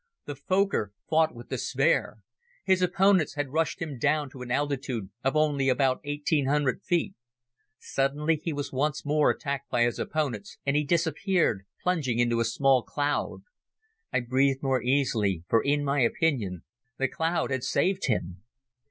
The Fokker fought with despair. His opponents had rushed him down to an altitude of only about eighteen hundred feet. Suddenly, he was once more attacked by his opponents and he disappeared, plunging into a small cloud. I breathed more easily, for in my opinion the cloud had saved him.